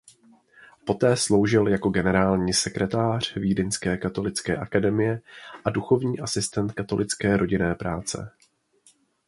Poté sloužil jako generální sekretář Vídeňské katolické akademie a duchovní asistent Katolické rodinné práce.